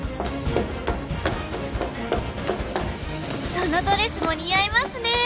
「そのドレスも似合いますねー」